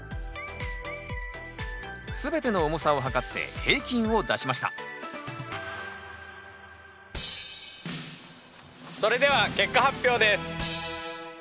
全ての重さを量って平均を出しましたそれでは結果発表です。